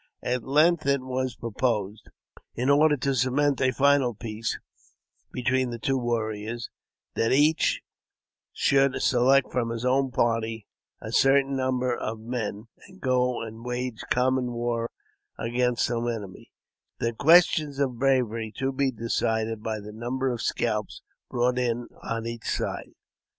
At length it was proposed, in order to cement a final peace between the two warriors, that each should select from his own party a certain number of men, and go and wage common war against some enemy — the question of bravery to be decided by the number of scalps brought in on each side.